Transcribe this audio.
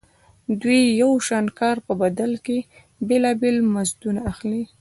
دوی د یو شان کار په بدل کې بېلابېل مزدونه اخلي